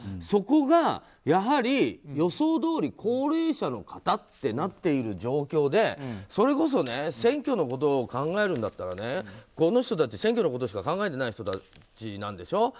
そこが、やはり予想どおり、高齢者の方ってなっている状況でそれこそ選挙のことを考えるんだったらこの人たち、選挙のことしか考えてない人たちなんでしょ。